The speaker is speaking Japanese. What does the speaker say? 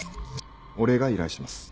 俺が依頼します。